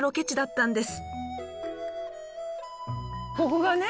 ここがね